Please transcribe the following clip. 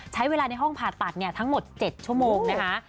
ใช้เวลาในห้องผ่าตัดทั้งหมด๗ชั่วโมงนะคะ